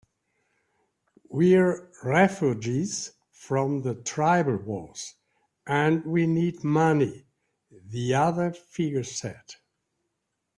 "We're refugees from the tribal wars, and we need money," the other figure said.